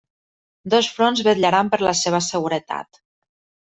Dos fronts vetllaran per la seva seguretat.